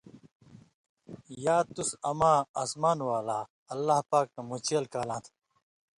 یا تُس اماں اسمان والا (اللہ پاک) نہ مُچېل کالاں تھہ